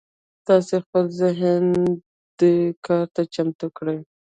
تاسې خپل ذهن دې کار ته چمتو کړئ.